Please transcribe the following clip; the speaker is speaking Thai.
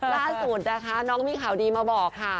ล่าสุดนะคะน้องมีข่าวดีมาบอกค่ะ